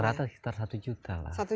rata rata sekitar satu juta lah